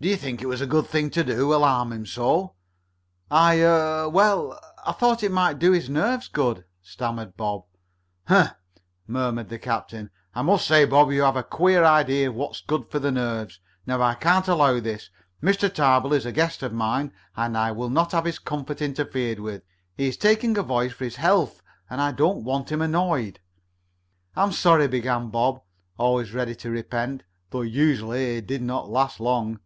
"Do you think it was a good thing to do, alarm him so?" "I er well, I thought it might do his nerves good," stammered Bob. "Hum!" murmured the captain. "I must say, Bob, you have a queer idea of what is good for the nerves. Now I can't allow this. Mr. Tarbill is a guest of mine, and I will not have his comfort interfered with. He is taking a voyage for his health, and I don't want him annoyed." "I'm sorry," began Bob, always ready to repent, though usually it did not last long.